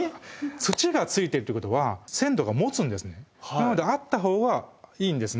土が付いてるってことは鮮度が持つんですねなのであったほうがいいんです